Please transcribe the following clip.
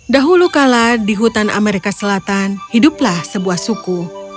dahulu kala di hutan amerika selatan hiduplah sebuah suku